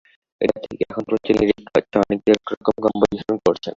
এটা ঠিক, এখন প্রচুর নিরীক্ষা হচ্ছে, অনেকে অনেক রকম কম্পোজিশন করছেন।